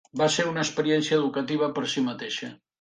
Va ser una experiència educativa per si mateixa.